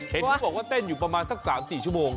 เห็นเขาบอกว่าเต้นอยู่ประมาณสัก๓๔ชั่วโมง